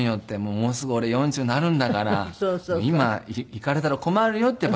もうすぐ俺４０になるんだから今逝かれたら困るよっていう